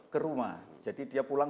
ke rumah jadi dia pulang